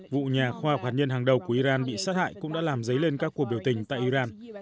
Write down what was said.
vụ nhà khoa học hạt nhân hàng đầu của iran bị sát hại cũng đã làm dấy lên các cuộc biểu tình tại iran